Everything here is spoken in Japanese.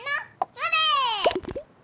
それ！